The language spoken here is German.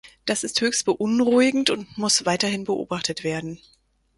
Das ist höchst beunruhigend und muss weiterhin beobachtet werden.